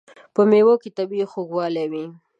په مېوو کې طبیعي خوږوالی وي.